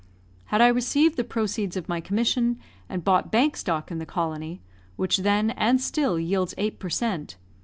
Had I received the proceeds of my commission, and bought bank stock in the colony which then and still yields eight per cent.